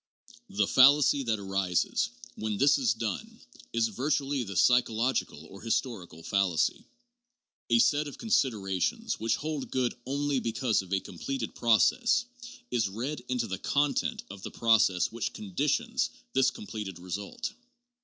The fallacy that arises when this is done is virtually the psychological or historical fallacy. A set of considerations which hold good only because of a completed process, is read into the content of the process which conditions this completed result.